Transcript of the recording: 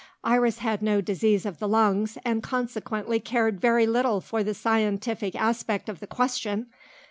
Iris had no disease of the lungs, and consequently cared very little for the scientific aspect of the question.